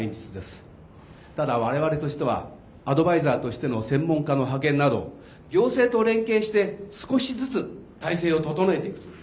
ただ我々としてはアドバイザーとしての専門家の派遣など行政と連携して少しずつ体制を整えていくつもりです。